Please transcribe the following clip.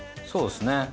そうですね。